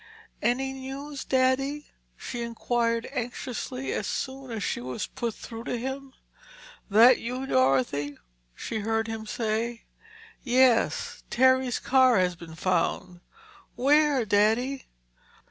"Any news, Daddy?" she inquired anxiously, as soon as she was put through to him. "That you, Dorothy?" she heard him say. "Yes—Terry's car has been found." "Where, Daddy?"